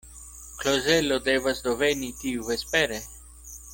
Klozelo devas do veni tiuvespere?